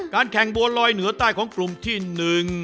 การแข่งบัวลอยเหนือใต้ของกลุ่มที่หนึ่ง